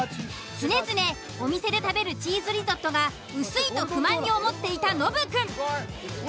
常々お店で食べるチーズリゾットが薄いと不満に思っていたノブくん。